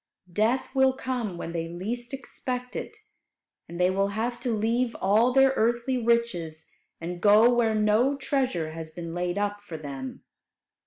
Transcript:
Death will come when they least expect it, and they will have to leave all their earthly riches, and go where no treasure has been laid up for them.